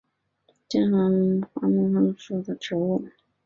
坚桦为桦木科桦木属的植物。